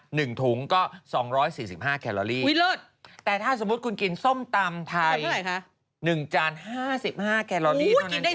หนึ่งถุงก็๒๔๕แคลอรี่แต่ถ้าสมมติคุณกินส้มตำไทย๑จาน๕๕แคลอรี่เท่านั้นเอง